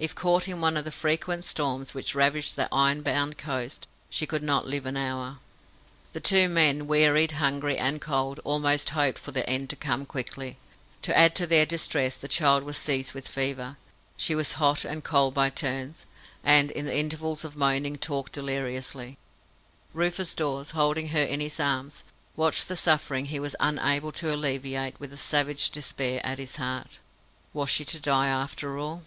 If caught in one of the frequent storms which ravaged that iron bound coast, she could not live an hour. The two men, wearied, hungry, and cold, almost hoped for the end to come quickly. To add to their distress, the child was seized with fever. She was hot and cold by turns, and in the intervals of moaning talked deliriously. Rufus Dawes, holding her in his arms, watched the suffering he was unable to alleviate with a savage despair at his heart. Was she to die after all?